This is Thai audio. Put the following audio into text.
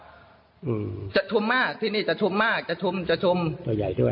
อืมจะชุมมากที่นี่จะชุมมากจะชมจะชมตัวใหญ่ด้วย